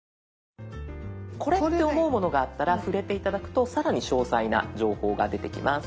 これって思うものがあったら触れて頂くと更に詳細な情報が出てきます。